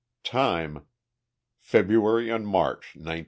TIME—February and March, 1912.